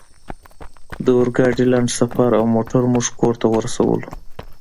د اورګاډي لنډ سفر او موټر موږ کور ته ورسولو